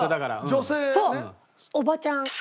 そうおばちゃん。